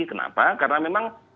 kenapa karena memang